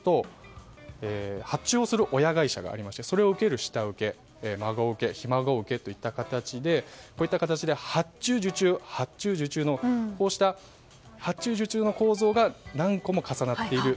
発注をする親会社がありましてそれを受ける下請け、孫請けひ孫請けといった形で発注受注、発注受注のこうした構造が何個も重なっている。